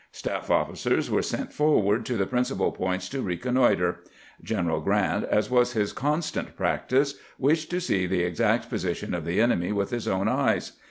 Staff officers were sent for ward to the principal points to reconnoiter. General Grant, as was his constant practice, wished to see the exact position of the enemy with his own eyes.